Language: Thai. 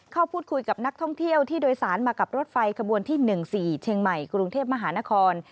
เข้าพูดคุยกับนักท่องเที่ยวที่โดยสารมากับรถไฟขบวนที่๑๔เชียงใหม่กรุงเทพมหานคร